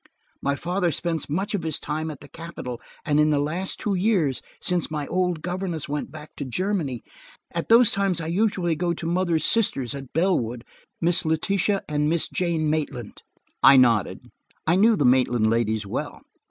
My father spends much of his time at the capital, and in the last two years, since my old governess went back to Germany, at those times I usually go to mother's sisters at Bellwood–Miss Letitia and Miss Jane Maitland." I nodded: I knew the Maitland ladies well.